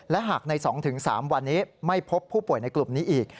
และหากใน๒๓วันนี้ไม่พบผู้ป่วยในกลุ่มนี้อีก